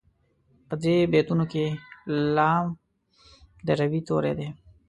په دې بیتونو کې لام د روي توری دی.